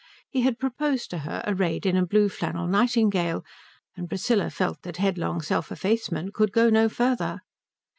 He had proposed to her arrayed in a blue flannel nightingale, and Priscilla felt that headlong self effacement could go no further.